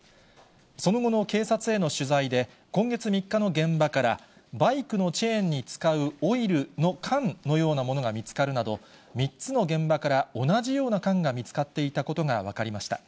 その後の警察への取材で、今月３日の現場から、バイクのチェーンに使うオイルの缶のようなものが見つかるなど、３つの現場から同じような缶が見つかっていたことが分かりました。